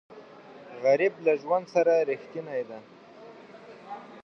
غریب له ژوند سره رښتینی دی